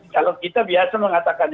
kalau kita biasa mengatakan